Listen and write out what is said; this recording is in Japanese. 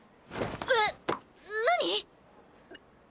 えっ！？何！？